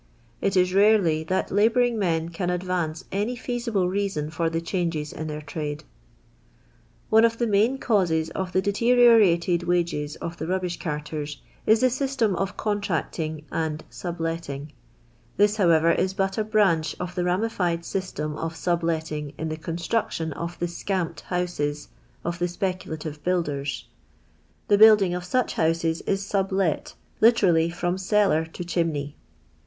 It is rarely that labouring men can advance any feasible reason for the changes in their trade. Oufi of thi niaiii cautei q/* (hi diteriorated waga of the rubbish carters is the system of contract ing and subletting. This, however, is but a branch of the ramified system of inblettiDg in ; the constructiim of the " scamped" houses of the ' speculative builders. The building of such houses is sublet, literally from cellar to chimney.